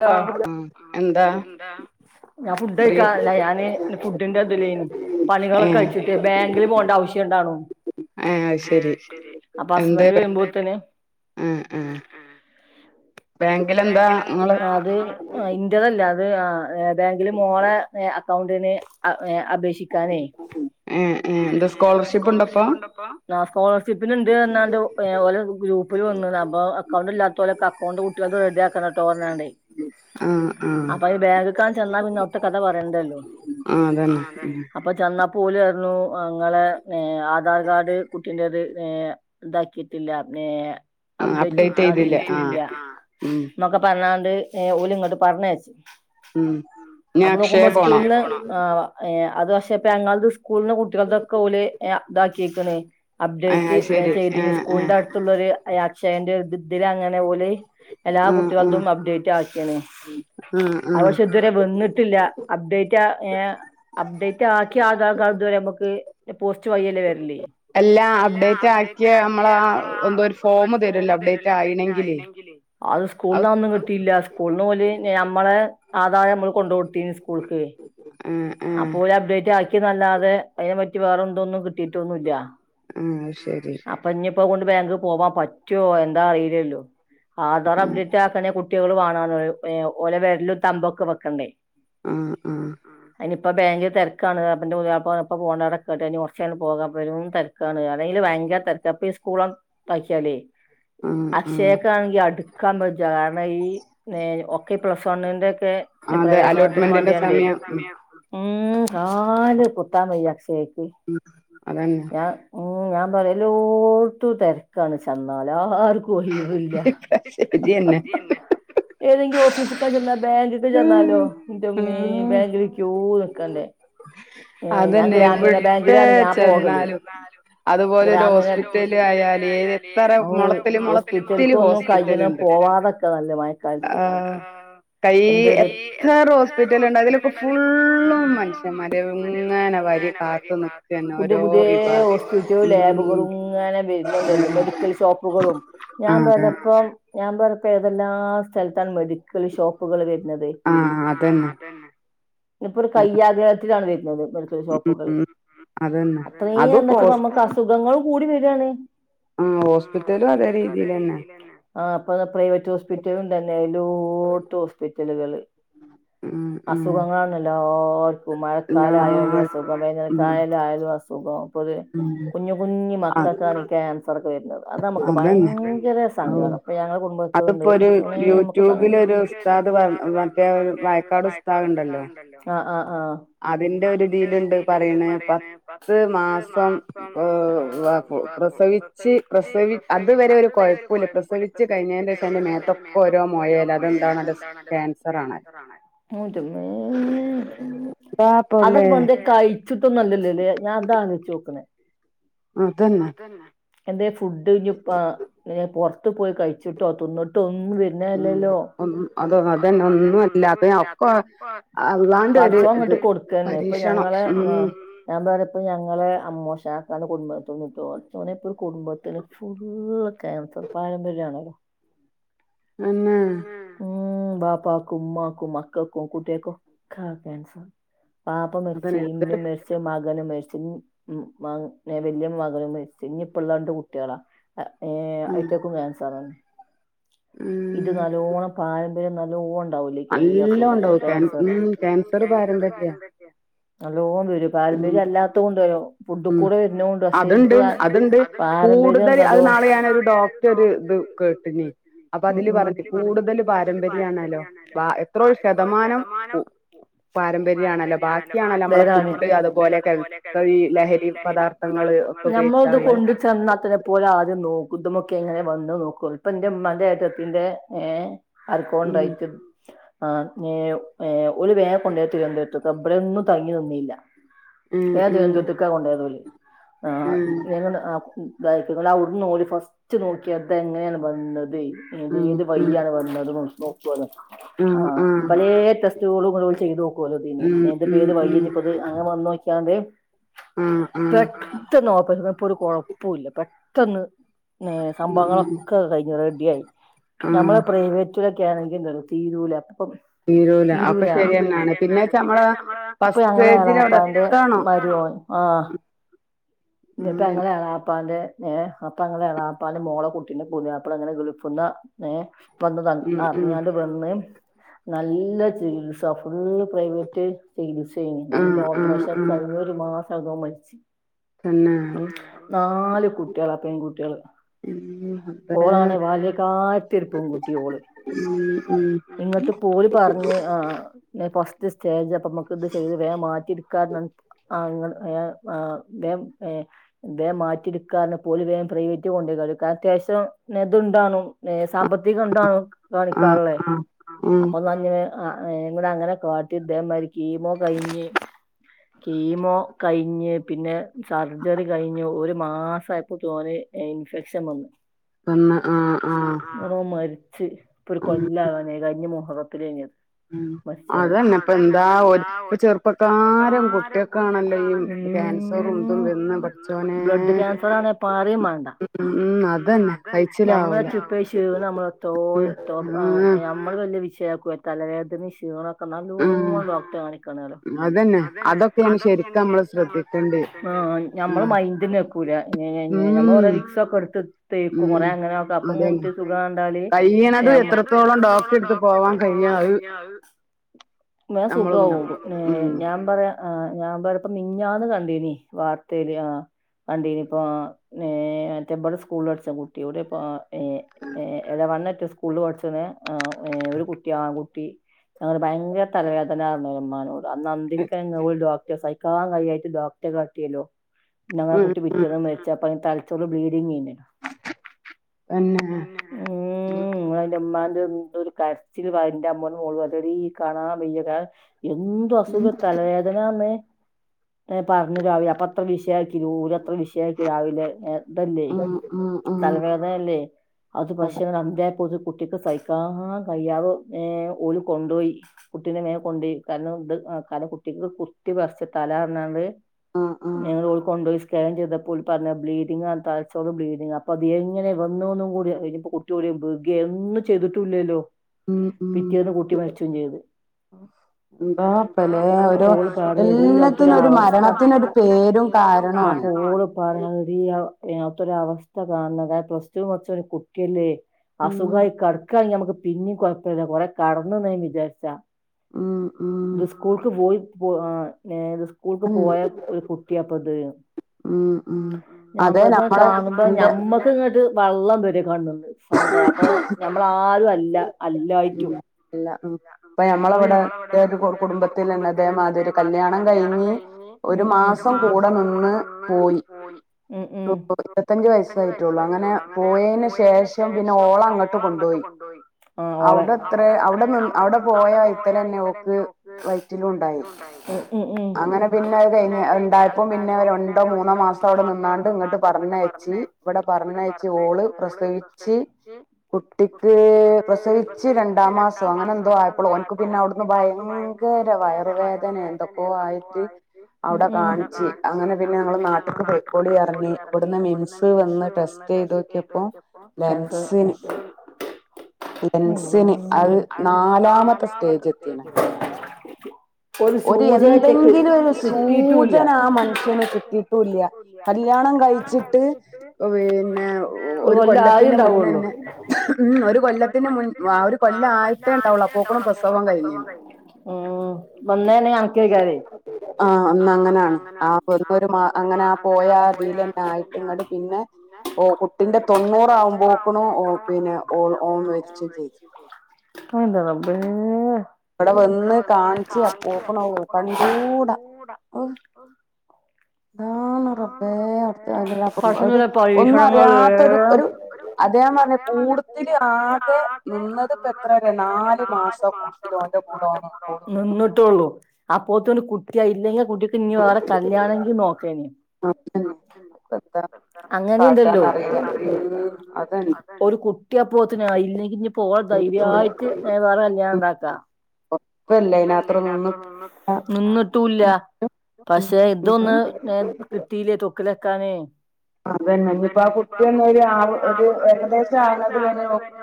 [unintelligible] ഞാൻ ഫുഡ് കഴിക്കാ ല്ല ഞാന് ഫുഡിന്റെ തിലേനി പണികളൊക്കെ അഴിച്ചിട്ടേ ബാങ്കില് പോണ്ട ആവശ്യണ്ടാണും അപ്പൊ ഹസ്ബൻ്റ് വരുമ്പോത്തിന് അത് അ ഇൻ്റതല്ല അത് ആ ബാങ്കില് മോളെ അക്കൗണ്ടിന് അപേക്ഷി ക്കാനെ ആ സ്കോളർഷിപ്പിന് ഇണ്ട്ന്നർഞ്ഞാണ്ട് എ ഓലെ ഗ്രൂപ്പില് വന്ന്ണ് അപ്പോ അകൗണ്ടിലാ ത്തൊലെ കക്കൗണ്ട് കുട്ട്യൾത് [unintelligible] ഇതാക്കണട്ടോർഞ്ഞാണ്ട് അപ്പ യ് ബാങ്ക് ക്കാൻ ചെന്നാ പിന്നെ അട്ത്തെ കഥ പറയൻണ്ടല്ലോ ആ അതെന്നെ ഉം ഓലർഞ്ഞു ഇങ്ങളെ പിന്നെ ആധാർ കാർഡ് കുട്ടിൻ്റേത് ഏ ന്താക്കിട്ടില്ലർഞ്ഞ് അപ്ഡേറ്റ് ആക്കിട്ടില്ല ന്നൊക്കെ പ ർഞ്ഞാണ്ട് എ ഓലിങ്ങട്ട് പർഞ്ഞയച്ച് അപ്പ നോക്കുമ്പോ സ്കൂൾന്ന് ആ എ അത് പക്ഷെ ഇപ്പ ഞങ്ങൾത് സ്കൂൾന്ന് കുട്ട്യൾ തൊക്കൊല് അ താക്കീക്ക് ണ് അപ്ഡേറ്റ് ചെയ്തിനി സ്കൂളിൻന്റെ അടുത്തുള്ളൊ ഒരു അക്ഷയന്റെ തില് അങ്ങനെ ഓല് എല്ലാ കുട്ടികൾക്കും അപ്ഡേറ്റ് ആക്കിയണേ അവശ്യം ഇത് വരെ വന്നിട്ടില്ല അപ്ഡേറ്റ് അപ്ഡേറ്റ് ആക്കി ആധാർ കാർഡ് ഇതുവരെ നമുക്ക് പോസ്റ്റ് വയിയല്ലേ വര്ല് എല്ലാം അപ്ഡേറ്റ് ആക്കിയ നമ്മളാ എന്തോ ഒരു ഫോമ് തരുലോ അപ്ഡേറ്റ് ആയിണെങ്കില് അത് സ്കൂള്ന്നാ ഒന്നും കിട്ടില്ല സ്കൂള്ന്ന് പോയില് ഞമ്മളെ ആധാറ് നമ്മള് കൊണ്ട് കൊടുത്തിനി സ്കൂള്ക്കെ അപ്പൊ ഓര് അപ്ഡേറ്റാ ക്കി ന്നല്ലാതെ അയിനെ പറ്റി വേറെന്തൊന്നും കിട്ടിട്ടൊന്നുവില്ല ആഹ് അത് ശെരി ഇപ്പൊ കൊണ്ട് ബാങ്ക് പോവാ പറ്റുവോ എന്താ അറിയില്ലല്ലോ ആധാർഅപ്ഡേറ്റ് ആക്കനെ കുട്ട ട്ട്യാള് വേണോന്ന് ഓലെ വേരലും തമ്പൊക്കെ വെക്കണ്ടേ ആഹ് ആഹ് അയിനിപ്പ ബയ്ങ്കരതെരക്കാണ് [unintelligible] പോകാ അപ്പഴും തെരക്കാണ് ഏതായാല് ബയങ്കര തെരക്കാണ് അപ്പൊ ഈ സ്കൂളം ഇതാക്കിയാലേ അക്ഷയക്കണ്ങ്കി അടുക്കാ [unintelligible] പിന്നെയി ഒക്കെ പ്ലസ് വണ്ണിന്റെ ഒക്കെ പ്രവേശനത്തിന് വേണ്ടിയണ്ടേ ഉം കാല് കുത്ത വയ്യ അക്ഷയി ഉം അതന്നെ ഓ ഞാൻ പറയാ എലോട്ത്തു തിരക്കാണ് ചെന്നാൽ ആർ ക്കും ഒഴിവില്ല ഏതെങ്കിലും ഓഫീസക്കാ ചെന്നാ ബാങ്കിട്ട ചെന്നാലോ ന്റെ മ്മേ ബാങ്ക് വി ക്യൂ നിക്കണ്ടേ ഏ ഞാൻ ഗ്രാമീണ ബാങ്കിലാണ് ഞാൻ പോകൽ ഗ്രാമ ഹോസ്പിറ്റക്കൊന്നും കയ്യ്ണം പോവാതക്ക നല്ല ആ കൈ എത്ര ഹോസ്പിറ്റല ഇണ്ടോ അതിലൊക്കെ ഫുൾ പുതിയ പുതിയ ഹോസ്പിറ്റല ലാബ ഇങ്ങനെ വര്ൻണ്ടല്ലോ മെഡിക്കൽ ഷോപ്പുകളും ഞൻ [unintelligible] പ്പം [unintelligible] ഏതെല്ലാ സ്ഥലത്താണ് മെഡിക്കൽ ഷോപ്പുകൾ വ നത് ആ അതന്നെ ഒരു കയ്യാക ണ് വര്ണത് മെഡിക്കൽ ഷോപ്പുകൾ അത്ര എന്താച്ച നമക്ക് അസുഖങ്ങൾ കൂടി വ രാണ് ആ ഹോസ്പിറ്റലു അതേ രീതിലെന്നേ ആ ഇപ്പതാ പൈവറ്റ് ഹോസ് പിറ്റവും തന്നെ ലോട്ട് ഹോസ്പിറ്റലുകള് അസുഖങ്ങ ആർക്കും മഴക്കാലായാലും അസുഖം വേനൽ കാലായാലും അസു [unintelligible] സുഖം പോലെ കുഞ്ഞു കുഞ്ഞ് മക്കക്കാണ് ഈ ക്യാൻസറൊക്കെ വര്ണത് അത് നമുക്ക് ഭയങ്കര സങ്കടം ഇപ്പൊ ഞങ്ങടെ കുടുംബത്ത്ണ്ട് പടച്ചോനേ ഞമ്മക്ക് സ ഉസ്താഅ് ണ്ടല്ലോ അതിന്റെ ഒരു തില്ണ്ട് പറിണ് പത്ത് മാസം പ്രസവി ഓൻ്റെമ് ഉം അതൊക്കെപ്പെന്തെ കഴിച്ചിട്ടൊന്നു ല്ലല്ല ഏ ഞാ അതാണ് ചോക്ക്ണ് അതന്നെ എന്തേ ഫുഡ് ഇഞ്ഞ്പ്പ ഏ പൊറ ത്ത്പോയി കഴിച്ചിട്ടോ തിന്നിട്ടോ ഒന്ന് വര്ണഅല്ലല്ലോ പടച്ചോങ്ങട്ട് കൊടുക്കന്നെ ഇപ്പൊ ഞങ്ങളെ ഞാൻ പറ്യ ഇപ്പ ഞങ്ങളെ അമ്മൂഷാ ക്കാൻ്റെ കുടുംബ [unintelligible] ഒരു കുടുംബ ത്തില് ഫുള്ള് ക്യാൻസർ പാരമ്പര്യാണല്ലോ അന്നേ ഉംബാപ്പാക്കും ഉമ്മാക്കും മക്കൾക് ക്കും കുട്ട്യേക്കൊക്കെ കാൻസർ വാപ്പ മരിച്ച് ഇമ്മിം മരിച്ച് മകനും മരി ച്ചും ഇം മ നെ വല്യേ മകനും മരിച്ച് ഇഞ്ഞിപ്പള്ള രണ്ട് കുട്ട്യേളാ ഏ ഐറ്റക്കും കാൻസറാണ് ഇത് നല്ലോണം പാര മ്പര്യം നല്ലോൺ [unintelligible] കെയ്യ എല്ലാം ഉണ്ടാവും ഉം ക്യാൻസറ് പാരമ്പര്യ അത് രോ [unintelligible] വരും പാരമ്പര്യം അല്ലാത്ത ഉണ്ടലോ ഉം അത്ണ്ട് അത്ണ്ട് കൂടുതല് അഹ് നാളെ ഞാനൊരു ഡോക്ടരൊര് ഇത് കേട്ടീനി അപ്പൊ അതില് പറഞ്ഞു കൂടുതല് പാരമ്പര്യാണല്ലോ എത്രയോ ശതമാനം പു [unintelligible] പാരമ്പര്യാണല്ലോ ബാക്കിയാണല്ലോ നമ്മള ഫുഡ് അതുപോലെ ലഹരി [inaudible] ഞമ്മളത് കൊണ്ട ചെന്നാതിനെ പോലെ ആദ്യം നോക്ക ബുദ്ധമൊക്കെ എങ്ങനെ വന്നു നോ കൊള്ളു ഇപ്പന്റമ്മാന്റെ ഏട്ടത്തിന്റെ ഏഹ് അർക്കോണ്ടയിത്ത് ആ ങ്ങ്യേയു ഏ ഹു ഓല് വേം കൊണ്ടറ്റി [unintelligible] ടുത്തു റബ്ര ഒന്നും തങ്ങി നിന്നില്ല എ ദുരന്തത്തുർക്കാകൊണ്ടോ യതോല്‌ [unintelligible] അഫി ഇതായിണ്ട് അവിടുന്ന് ഓല് ഫസ്റ്റ് നോക്ക്യോ തെന്നെ വന്നത് ഇത് ഏത് ഏത് വയ്യാണ് വന്നതും നോക്കോല ആഹ പലേ ടെസ്റ്റുകളും കൂ ചെയ്തോ ക്കോല്ലൊ ഇതിന് നൈന്റെ പേര് വയ്യ ഇപ്പത് അങ്ങനെ വന്ന് ക്യാന്തേ പെട്ടെന്ന് ഓപ്പ [unintelligible] ഒരു കൊഴപ്പില്ല ത്തന്ന് ഏ സംഭവങ്ങളൊക്കെ കഴിഞ്ഞു റെഡിയായി നഞമ്മളെ പ്രൈവറ്റില ക്യാണെങ്കി നിർത്തി ജൂലാപ്പ് അ [inaudible] ഇരൂര [unintelligible] ഇപ്പ ഞങ്ങളെളാപ്പാന്റെ മര്യോള് ആഹ് ഇന്ന് ഇപ്പ ങ്ങളെ എളാപ്പാന്റെ ഏ അപ്പൊ അങ്ങളെ എളാപ്പാന്റെ മോളെ കുട്ടിന്റെ പുത്യാപ്പള ഇന്നലെ ഗൾഫിന്നാ ഏ വന്നതാണ് അറിഞ്ഞണ്ട് വന്ന് നല്ല ചികിത്സ ഫു പ്രൈവറ്റ് ചികിത്സേനി നല്ല ഓപ്പറേഷൻ കഴിഞ്ഞരു മാസം തങ്കൊ മരിച്ച് തന്നെ നാലു കുട്ട്യേ ളാ പെൺകുട്ട്യേള് ഓളാണ് വാല്യകാർത്ത്യരു പെൺകുട്ടി ഓള് ഇങ്ങട്ട് ഓല് പറഞ്ഞ് ആ പസ്ത്ത് സ്റ്റേജ് അപ്പമ്മക്ക്ഇത് ചെയ്ത് വേം മാറ്റിയിരിക്കാർന്നത് ആ ഇങ്ങൾ അയാൾ അ [unintelligible] വെ ഏ വേ മാറ്റിടുക്കന് പറഞ്ഞപ്പോ ഓല് വേം പ്രൈവറ്റ് കൊണ്ടായികാണ്ട് അത്യാവിശം ഏ ത് ഇണ്ടാനും സാമ്പത്തികം ഇണ്ടാണ് കാണിക്കാനുള്ള അപ്പൊഞ്ഞ വെ ആ അങ്ങനെ കാട്ടി ഇതേമാതിരി കീമോ കഴിഞ് കീമോ കഴിഞ് പിന്നെ സർജറി കഴിഞ്ഞു ഒരു മാസമായപ്പെ ഓൺ ഇൻഫെക്ഷൻ വന്നു അമ്മ അ ആ ഓൻ മരി ച്ച് ഇപ്പം ഒരു കൊല്ലാകാനായി കഴിഞ്ഞ മുഹറത്തിലെന്നു ഉ അതന്നെ ഇപ്പ എന്താ ഒരേ ഇപ്പ ചെറുപ്പക്കാരം കുട്ടിയൊക്കൊണല്ലോ ഈ ക്യാൻസറും ഉം ബ്രഡ് കേൻസറാണെങ്കിൽ പറിം മാണ്ട ഉം അതന്നെ നമ്മളെ ചി ഷീണം എത്തോളം അ നമ്മൾ വിച്ച കു തലവേദനിം ഷീണക്കെ ഇപ്പ നല്ലോണം ഡോക്ടറെ കാണിക്കാനോലോ അത്നെ അതൊക്കെയന് നമ്മൾ ശരിക് ശ്രദ്ധി ആ ഞമ്മള് മൈന്റ നെക്കൂല ഞ്ഞ ഞ്ഞ ഞമ്മൾ കൊറെ വിക്സ് ഒക്കെ എടുത്ത് തേക്കും കൊറെ അങ്ങനെക്കും അപ്പൊ കൊരച് സുഖ കണ്ടാല് കയ്യുന്നതും എത്രത്തോളം ഡോക്ടറെ അടുത്ത് പോവാൻ കഴിഞ്ഞാൽ അത് ബേം സുഖവും ഏ ഞാൻ പറയാ അ ഞാൻ പറ മിനിഞ്ഞാന്ന് കണ്ടു ണ്ടീന് വാർതേൽ ആ കണ്ടീന് നിപ്പൊ അ എ മറ്റേ ഇബടെ സ്കൂളിൽ പഠിച്ചകുട്ടി എവിടെപ്പൊ അ ഏ ഏ എടവണ്ണ സ്കൂളിൽ പഠിച്ച ഒരു കുട്ടിയ ആണ്കുട്ടി ഭയങ്കര തലവേദന ന്ന് പറഞ്ഞോല ഉമ്മാനോട് അന്ന് അന്തിക്കണേ ഓല് ഡോക്ടർ സഹിക്കാൻ കഴിയായ്ട്ട് ഡോക് റ്റെ കാട്ട്യേലാേ ഞങ്ങളെ കുട്ടി പിറ്റേന്ന് മര്ച്ച് അപ്പയ്ൻ ത തും ബ്ലീഡിങ്ങേനെ ഊം അതിന്റെമ്മാന്റൊന്തെരു കര്ച്ചിൽ പ ന്റെ അമ്മോന്റെ മോള് പറെടീ കാണാൻ വെയ്യ കാ എന്തു അസുഖും തലവേദനാർഞ്ഞ് പർഞ്ഞ് രാവിലെ അപ്പ അത്ര വിഷയാക്കി ഓല് അത്ര വിഷയാക്കി രാവിലെ ഏ തല്ലേ തലവേദനല്ലേ അത് പക്ഷെ അന്ത്യായപ്പോത്ത് കുട്ടിക്ക് സഹിക്കാൻ കയ്യാവ് വേം ഓല് കൊണ്ടാേയി കുട്ടിനെ വേം കൊണ്ടാേയി കാരണം ഇത് തല കുട്ടിക്ക് കുത്തിപർച്ച തലാർഞ്ഞാണ്ട് നെ ഓല്കൊണ്ടാേയി സ് സ്‌കാൻ ചെയ്‌താപ്പോ ഓല് പർഞ്ഞെ ബ്ലീഡിഗാന്ന് തലച്ചോർല് ബ്ലീഡിംഗാ അപ്പൊ അത് എങ്ങനെ വന്നൂന്നും കൂടി അറീല ഞ്ഞ് പ്പം കുട്ട്യൊവ്ടേം ബ്‌കേ ഒന്നും ചെയ്ത്ട്ടൂല്ലല്ലോ ഉം ഉം ഔഫ് എന്താപ്പലേ ഓരോ എല്ലത്തിനും ഒര് മരണ മരത്തിനൊരു പേരും കാരണു ആണ് ന്നട്ട് ഓള് പറ്യാ അത് എടീ അ അവ്ത്തൊര അവസ്ഥ കാണണംന്ന് അതായത് പ്ലസ് റ്റു പട്ച്ച ഒര് കുട്ട്യല്ലേ അസുഖമായി കടക്കാൻഞമുക്ക് പിന്നും കുഴപ്പമില്ല കൊറ കടന്നുന്നൻ വിചാരിച്ച ജ് സ്കൂൾക്ക് പോയി ബോ ആ എത് സ്ക്കൂൾ പോയ ഒരു കുട്ടിയപ്പ ഇത് ഞാൻ ഇത കാണുമ്പോ നമ്മക്ക് ഇങ്ങോട്ട് വെള്ളം വരെ കാണു മ്പം സങ്കടം അപ്പൊ നഞമ്മള ആരും അല്ല അല്ലായിട്ടും അപ്പൊ ഞമ്മളവിടെ ഒരു കുടുംബത്തിൽന്നെ അതേമാതിരി കല്യാണം കഴിഞ്ഞ് ഒരു മാസം കൂടെ നിന്ന് പോയി ഇരുപത്തഞ്ച വയസായിട്ടുള്ളൂ അങ്ങനെ പോയതിനന് ശേഷം പിന്നെ ഓള അങ്ങോട്ട് കൊണ്ടുപോയി അവിടെ ത്രേ അവിടെ അടെ അവിടെ പോയാൽ ഇത്തരം നക്ക് വയറ്റിലും ഉണ്ടായി അങ്ങനെ പിന്നെ അത് കഴിഞ് ഉണ്ടായപ്പോം പിന്നെ രണ്ടോ മൂന്നോ മാസം അവിടെ നിന്നാണ്ട് ഇങ്ങോട്ട് പറഞ്ഞയച്ചി ഇവിടെ പറഞ്ഞയച്ചി ഓള് പ്രസവിച്ച് കുട്ടിക്ക് പ്രസവിച്ചച്ച് രണ്ടാം മാസം അങ്ങനെ എന്തോ ആയപ്പോ അവനിക്ക് പിന്നെ അവിടുന്ന് ഭയങ്കര വയറുവേദന എന്തൊ ന്തപ്പോ ആയിട്ട്ടെ കാണിച്ചച്ച് അങ്ങനെ പിന്നെ ഞങ്ങള് നാട്ടക്ക് പേപ്പൊടി ഇറങ്ങി ഇവിടുന്ന് മിംസ് വന്ന് ടെസ്റ്റ് ചെയ്ത് വെച്ചപ്പോ ലെൻസിന് നാലാമത്തെ സ്റ്റേജ ഒരു എന്തെങ്കിലും ഒരു സൂചന ആ മനുഷ്യന് കിട്ടിയിട്ടുംല്ല കല്യാണം കഴിച്ചിട്ട് പിന്നെ ഒരു കൊല്ലത്തിറെ മുന്നന്നെ ഉ ഒരു കൊല്ലത്തിന്റെ മുൻ ആ ഒരു കൊല്ലം ആയിട്ടേണ്ടവളപ്പ അവള [unintelligible] പ്രസവം കഴിഞ്ഞ് ഓ [unintelligible] ആ അങ്ങനാണ് ആെറുത്ത അങ്ങനെ പോയ രീന്ന പിന്നെ കുട്ടിന്റെ തൊണ്ണൂറ ആാവുമ്പോക്ക പിന്നെഓ ഓന്ന് വ റബ്ബേ ഇവിടെ വന്ന് കാണിച്ചച്ച് അ പോക്കണ കണ്ടൂട ഓ എന്താണ്‌റമ്പേ ഒന്നും അറിയാത്തൊരു ഒരു അതാ ഞാൻ പറഞ്ഞെ കൂടുത്തില് ആകെ നിന്നത് ഇപ്പ എത്ര വരെയാണ് നാലു മാസം നിന്നിട്ടേള്ളു ആ പോത്ത് ഒരു കുട്ടിയായി ഇല്ലെങ്കിൽ കുട്ടിക്ക് ഇനി വരെ കല്യാണെങ്കി നോക്കന അങ്ങനെയുണ്ടല്ലോ ഒരു കുട്ടി കുട്ടി ആ പോത്തിനയില്ല ഇല്ലെങ്കില് പോ ധൈര്യായി വേറെ കല്യാണംഉണ്ടാക്ക നിന്നിട്ടുല്ല പക്ഷെ ഇതൊന്ന് കിട്ടീലെ തൊക്കല് ക്കാണെ അതന്നെ ഇനിയിപ്പോ ആ കുട്ടിയ ഒന്ന ഒരു ആ ഒരു ഏകദേശം ആകത് വരെ നോക്കും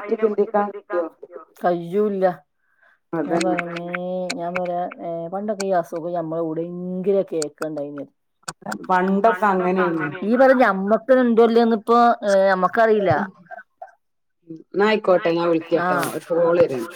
അയ്നെ കുർച്ച് ചിന്തിക്കാൻ ജ്ജാേ കയ് യ്യൂല്ല ഞാൻ പറ്യങ്ങനേ ഞാൻ വരാൻ ആഹ് പണ്ടൊക്കെ ഈ അസുഖം ഞമ്മടെ എവിടെയെങ്കിലും കേക്കണ്ടായിരുന്നു. പണ്ടൊക്കെ അങ്ങനെയാണ് നീ പറഞ്ഞ അമ്മ. നമുക്ക് ഉണ്ടോ ഇല്ലയോന്ന് ഇപ്പൊ ഏഹ് ഞമ്മക്ക്. ക്കറിയില്ല. ഉം ആയിക്കോട്ടെ ഞാൻ വിളിക്കട്ടോ, ഒരു കാൾ വരുണ്ട്.